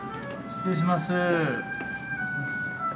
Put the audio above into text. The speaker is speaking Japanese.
失礼します。